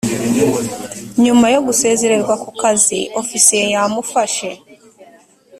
nyuma yo gusezererwa ku kazi ofisiye yamufashe.